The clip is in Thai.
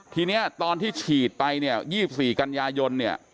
ทีนี้ตอนที่ฉีดไป๒๔กันยายน